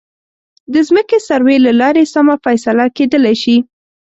د ځمکې سروې له لارې سمه فیصله کېدلی شي.